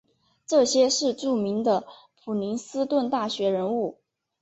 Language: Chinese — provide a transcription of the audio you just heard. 这些是著名的普林斯顿大学人物。